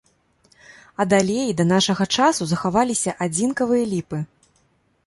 Ад алеі да нашага часу захаваліся адзінкавыя ліпы.